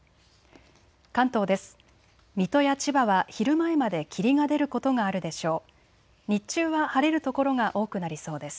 関東です。